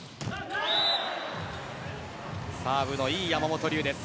サーブのいい山本龍です。